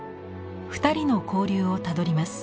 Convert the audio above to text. ２人の交流をたどります。